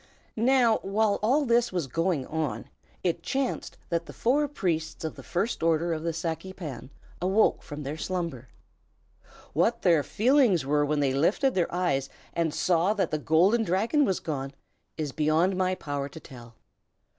Now, while all this was going on, it chanced that the four priests of the First Order of the Saki Pan awoke from their slumber. What their feelings were when they lifted their eyes and saw that the Golden Dragon was gone, is beyond my power to tell.